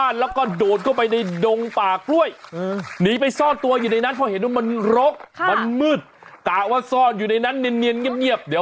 กลัวโดนจับได้